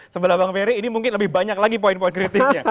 sebelah bang ferry ini mungkin lebih banyak lagi poin poin kritisnya